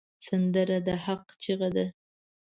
سندره د حق چیغه ده